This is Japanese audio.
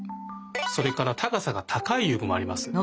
それからたかさがたかい遊具もあります。